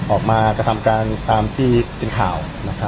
กระทำการตามที่เป็นข่าว